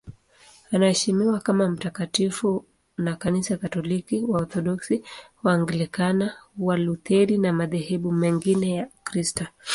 Anaheshimiwa kama mtakatifu na Kanisa Katoliki, Waorthodoksi, Waanglikana, Walutheri na madhehebu mengine ya Ukristo.